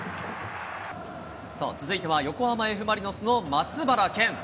続いては横浜Ｆ・マリノスの松原健。